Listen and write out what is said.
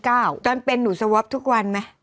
ก็เป็นนือทุกวันมั้ย